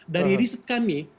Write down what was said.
dari riset kami